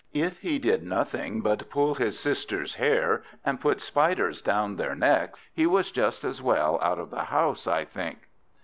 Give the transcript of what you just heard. If he did nothing but pull his sisters' hair, and put spiders down their necks, he was just as well out of the house, I think.